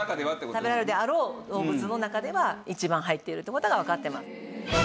食べられるであろう動物の中では一番入っているという事がわかってます。